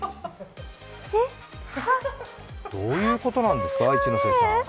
どういうことなんですか、一ノ瀬さん？